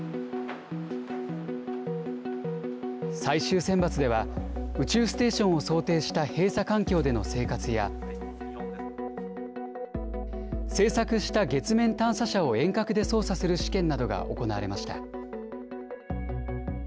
最終選抜では、宇宙ステーションを想定した閉鎖環境での生活や、製作した月面探査車を遠隔で操作する試験などが行われました。